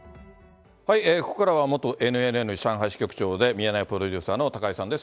ここからは、元ＮＮＮ上海支局長でミヤネ屋プロデューサーの高井さんです。